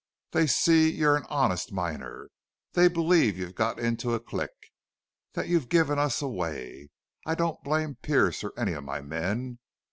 They see you're an honest miner. They believe you've got into a clique that you've given us away. I don't blame Pearce or any of my men.